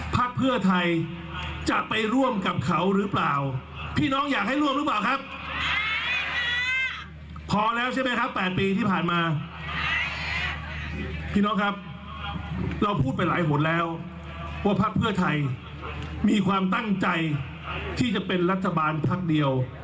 แต่ว่าภักดิ์เพื่อไทยมีความตั้งใจที่จะเป็นรัฐบาลภักดิ์เดียว